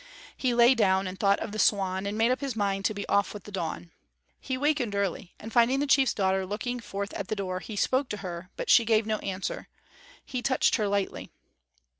He lay down and thought of the swan, and made up his mind to be off with the dawn. He wakened early, and finding the chief's daughter looking forth at the door, he spoke to her, but she gave no answer. He touched her lightly.